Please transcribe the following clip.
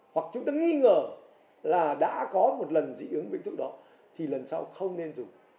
hoặc chúng ta nghi ngờ là đã có một lần dị ứng thuốc đó thì lần sau không nên dùng